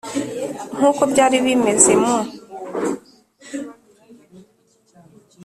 nk uko byari bimeze mu